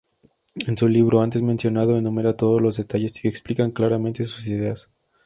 En su libro antes mencionado enumera todos los detalles que explican claramente sus ideas.